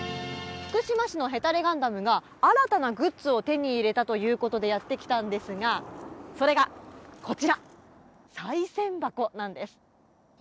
福島市のへたれガンダムが新たなグッズを手に入れたということでやってきたんですがそれがこちら、さい銭箱なんです。